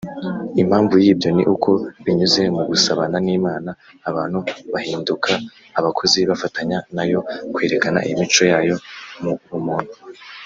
impamvu y’ibyo ni uko binyuze mu gusabana n’imana abantu bahinduka abakozi bafatanya na yo kwerekana imico yayo mu bumuntu